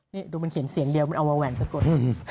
นี่ดูมันเขียนเสียงเดียวมันเอามาแหวนสะกด